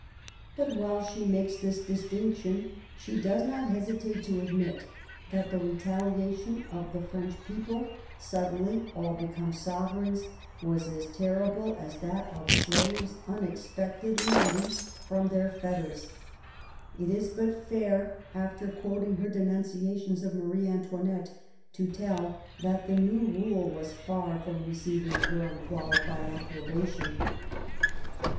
But while she makes this distinction, she does not hesitate to admit that the retaliation of the French people, suddenly all become 154 MABY W0LL8T0NECBAFT GODWIN. soveTeigns^ was as terrible as that of slaves anex pectedly loosed from their fetters. It is but fair, after quoting her denunciations of Marie Antoinette, to tell that the new rule was far from receiving her unqualified approbation.